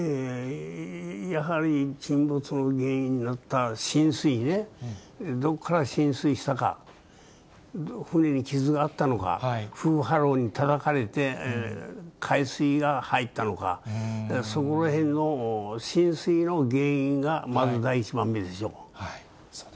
やはり沈没の原因になった浸水ね、どこから浸水したか、船に傷があったのか、風、波浪にたたかれて海水が入ったのか、そこらへんの浸水の原因がまず第１番目でしょう。